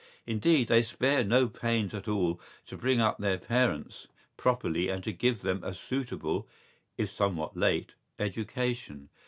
¬Ý Indeed, they spare no pains at all to bring up their parents properly and to give them a suitable, if somewhat late, education.